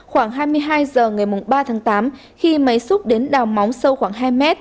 khoảng hai mươi hai h ngày ba tháng tám khi máy xúc đến đào móng sâu khoảng hai mét